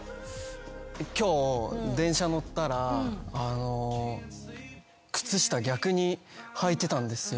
今日電車乗ったら靴下逆にはいてたんですよ。